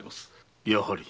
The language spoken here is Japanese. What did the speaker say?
やはり。